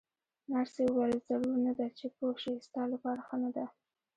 نرسې وویل: ضرور نه ده چې پوه شې، ستا لپاره ښه نه ده.